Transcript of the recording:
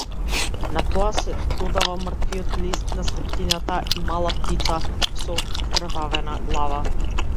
На тоа се додава мртвиот лист на светлината и мала птица со окрвавена глава.